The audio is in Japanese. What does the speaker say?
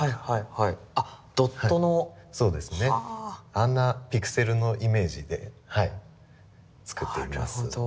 あんなピクセルのイメージで作っています。